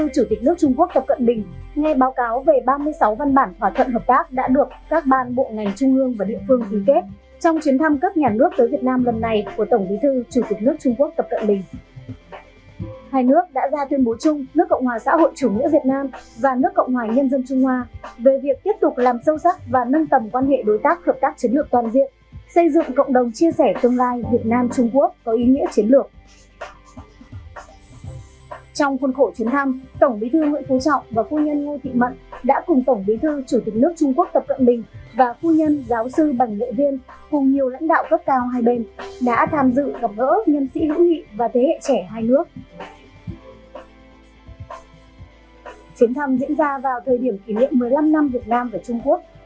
chuyến thăm diễn ra vào thời điểm kỷ niệm một mươi năm năm việt nam và trung quốc thiết lập quan hệ đối tác hợp tác chiến lược toàn diện đây là một dấu mốc lịch sử mới trong quan hệ việt nam trung quốc